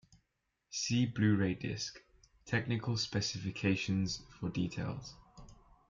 See Blu-ray Disc: Technical specifications for details.